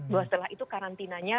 bahwa setelah itu karantinanya